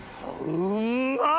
うんまっ！